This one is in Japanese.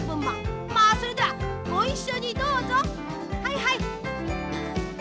まあそれではごいっしょにどうぞ。